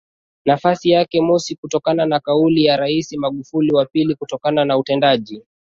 nafasi yake mosi kutokana na kauli ya rais Magufuli na pili kutokana na utendaji